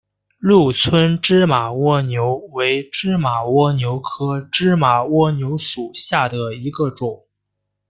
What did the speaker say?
鹿村芝麻蜗牛为芝麻蜗牛科芝麻蜗牛属下的一个种。